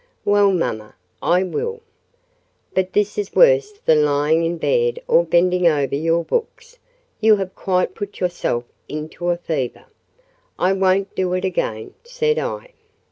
"Well, mamma, I will." "But this is worse than lying in bed or bending over your books: you have quite put yourself into a fever." "I won't do it again," said I.